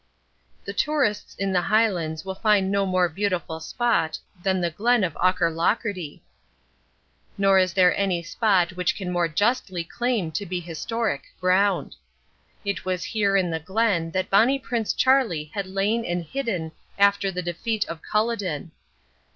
The tourists in the Highlands will find no more beautiful spot than the Glen of Aucherlocherty. Nor is there any spot which can more justly claim to be historic ground. It was here in the glen that Bonnie Prince Charlie had lain and hidden after the defeat of Culloden.